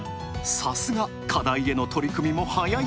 さすが、課題への取り組みも早い！